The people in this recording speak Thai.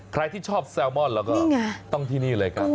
ใครที่ชอบแซลมอนเราก็ต้องที่นี่เลยครับ